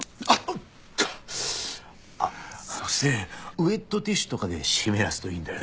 ウェットティッシュとかで湿らすといいんだよね。